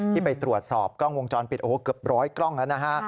ที่ไปตรวจสอบกล้องวงจรผิดเกือบ๑๐๐กล้องแล้วนะคะ